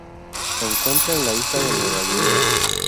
Se encuentra en la isla de Nueva Guinea.